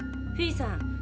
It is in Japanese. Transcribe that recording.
フィーさん